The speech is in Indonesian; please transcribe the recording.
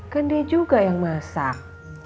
kan dia juga yang masak